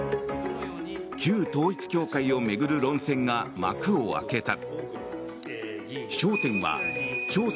旧統一教会を巡る論戦が幕を開けた。